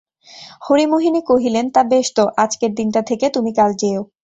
হরিমোহিনী কহিলেন, তা বেশ তো, আজকের দিনটা থেকে তুমি কাল যেয়ো।